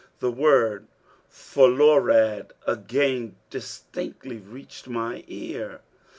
The word forlorad again distinctly reached my ear.